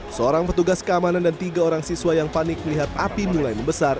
seorang petugas keamanan dan tiga orang siswa yang panik melihat api mulai membesar